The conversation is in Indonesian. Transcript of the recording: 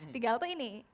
tiga hal tuh ini